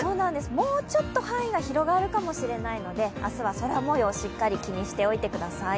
もうちょっと範囲が広がるかもしれないので、明日は空模様をしっかり気にしておいてください。